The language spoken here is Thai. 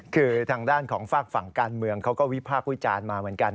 คือทางด้านของฝากฝั่งการเมืองเขาก็วิพากษ์วิจารณ์มาเหมือนกัน